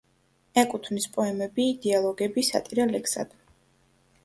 ეკუთვნის პოემები, დიალოგები, სატირა ლექსად.